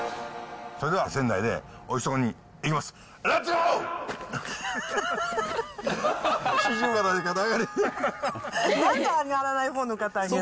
それでは仙台で、おいしい所に行きます。